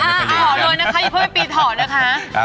ถอดเลยนะคะเพื่อไม่ปีดถอดนะคะ